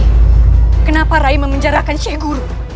rai kenapa rai mengenjarakan sheikh guru